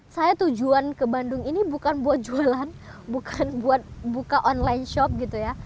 saya tujuan ke bandung ini bukan buat jualan bukan buat buka online shop gitu ya